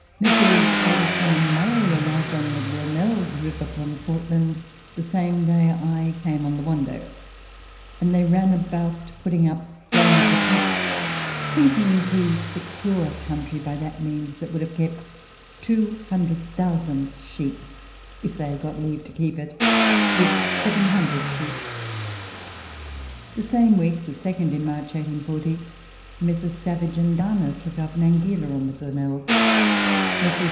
Messrs. Addison and Murray arrived on the Glenelg River from Portland the same day I came on the Wando, and they ran about putting up frames of huts, thinking to secure country by that means that would have kept 200,000 sheep (if they had got leave to keep it) with 700 sheep. The same week (the second in March 1840) Messrs. Savage and Dana took up Nangeela on the Glenelg; Messrs.